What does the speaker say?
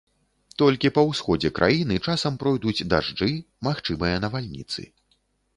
Толькі па ўсходзе краіны часам пройдуць дажджы, магчымыя навальніцы.